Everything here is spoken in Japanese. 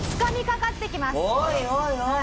おいおいおい！